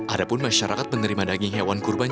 adapun masyarakat menerima daging hewan kurban